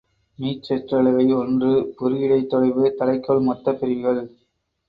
மீச்சிற்றளவை ஒன்று புரியடைத் தொலைவு தலைக்கோல் மொத்தப் பிரிவுகள்.